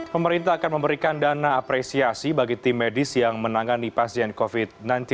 pemerintah akan memberikan dana apresiasi bagi tim medis yang menangani pasien covid sembilan belas